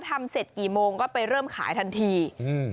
ทำเสร็จกี่โมงก็ไปเริ่มขายทันทีอืม